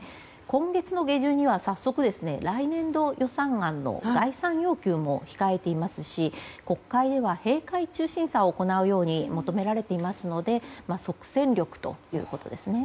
今月の下旬にはさっそく来年度予算案の概算要求も控えていますし国会では閉会中審査を行うよう求められていますので即戦力ということですね。